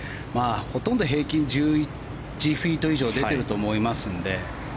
ほとんど平均１１フィート以上出ていると思いますので。